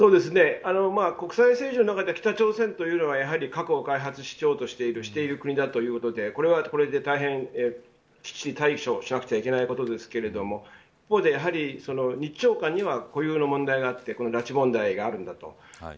国際政治の中で北朝鮮というのは核を開発しようとしている国だということでこれはこれできっちり対処しなくちゃいけない事ですけど一方で、日朝間には固有の問題があってこの拉致問題があるんだと。